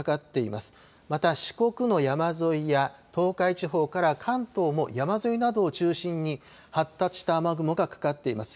また四国の山沿いや東海地方から関東も山沿いなどを中心に発達した雨雲がかかっています。